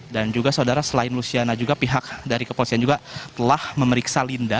dan juga saudara selain luciana juga pihak dari kepolisian juga telah memeriksa linda